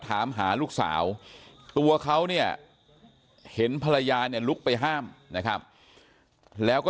ถามหาลูกสาวตัวเขาเนี่ยเห็นภรรยาเนี่ยลุกไปห้ามนะครับแล้วก็